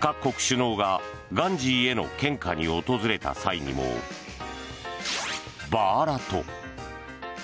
各国首脳がガンジーへの献花に訪れた際にもバーラト。